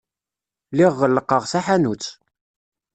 Lliɣ ɣellqeɣ taḥanut.